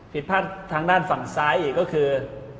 ผิดพลาดทางด้านฝั่งซ้ายอีกก็คือ